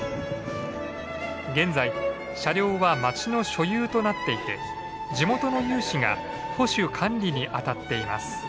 現在車両は町の所有となっていて地元の有志が保守管理にあたっています。